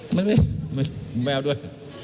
มันไม่แมวด้วย